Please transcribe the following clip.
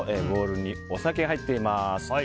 ボウルにお酒が入っています。